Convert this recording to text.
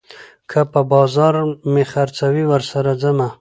که په بازار مې خرڅوي، ورسره ځمه